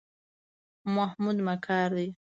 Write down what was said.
محمود مکار دی.